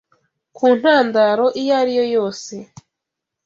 ku ntandaro iyo ariyo yose